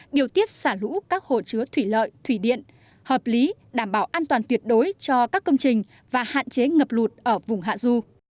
điều tiết xả lũ các hồ chứa thủy lợi thủy điện hợp lý đảm bảo an toàn tuyệt đối cho các công trình và hạn chế ngập lụt ở vùng hạ du